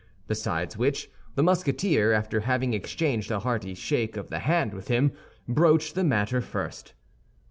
Besides which, the Musketeer, after having exchanged a hearty shake of the hand with him, broached the matter first.